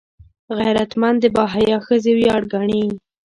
غیرتمند د باحیا ښځې ویاړ ګڼي